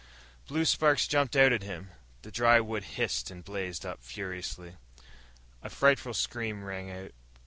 Blue sparks jumped out at him. The dry wood hissed and blazed up furiously. A frightful scream rang out.